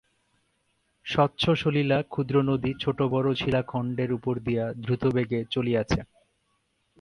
স্বচ্ছসলিলা ক্ষুদ্র নদী ছোটো বড়ো শিলাখণ্ডের উপর দিয়া দ্রুতবেগে চলিয়াছে।